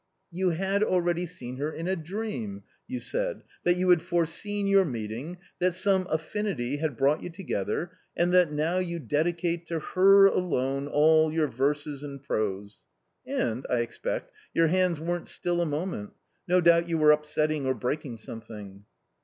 "You had already seen her in a dream, that you had foreseen your meeting, that some affinity had brought you together, and that now you dedicate to her alone all your verses and prose. And, I expect, your hands weren't still a moment ! no doubt you were upsetting or breaking some thing."